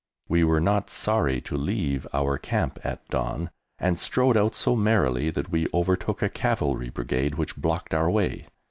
We were not sorry to leave our camp at dawn, and strode out so merrily that we overtook a Cavalry Brigade which blocked our way!